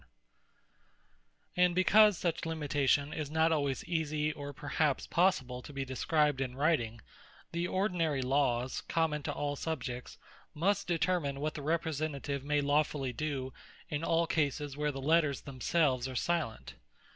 And The Lawes And because such Limitation is not alwaies easie, or perhaps possible to be described in writing; the ordinary Lawes, common to all Subjects, must determine, that the Representative may lawfully do, in all Cases, where the Letters themselves are silent.